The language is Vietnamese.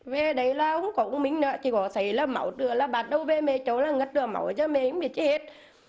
về đấy là không có của mình nữa chỉ có thấy là máu trưa là bà đâu về mê trôi là ngất trưa máu cho mê không biết chết